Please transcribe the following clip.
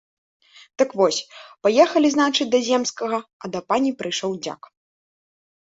Так вось, паехалі, значыць, да земскага, а да пані прыйшоў дзяк.